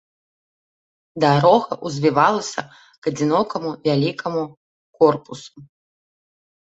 Дарога ўзвівалася к адзінокаму вялікаму корпусу.